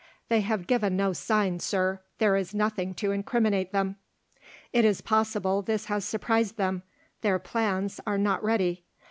"They have given no sign, Sir; there is nothing to incriminate them." "It is possible this has surprised them; their plans are not ready.